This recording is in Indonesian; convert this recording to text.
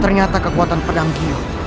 ternyata kekuatan pedang giok